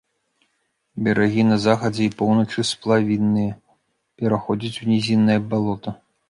Берагі на захадзе і поўначы сплавінныя, пераходзяць у нізіннае балота.